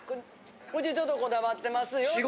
うちちょっとこだわってますよっていう。